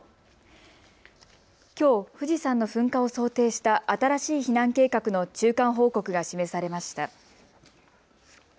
きょう富士山の噴火を想定した新しい避難計画の中間報告が示されました。